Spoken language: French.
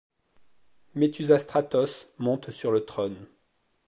Méthusastratos monte sur le trône.